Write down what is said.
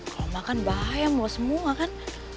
kalo makan bahaya mulus semua kan